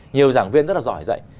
nhiều giảng viên rất là giỏi dạy